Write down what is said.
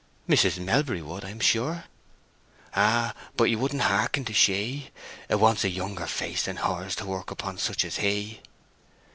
"Mrs. Melbury would, I am sure." "Ay; but he wouldn't hearken to she! It wants a younger face than hers to work upon such as he."